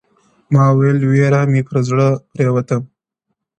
• ما ويل وېره مي پر زړه پرېوته؛